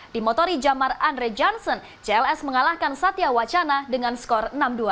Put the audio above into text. di motori jamar andre johnson cls mengalahkan satya wacana dengan skor enam dua